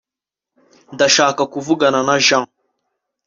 ndashaka kuvugana na jean